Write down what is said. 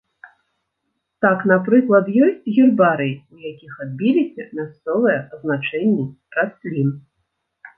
Так, напрыклад, ёсць гербарыі, у якіх адбіліся мясцовыя азначэнні раслін.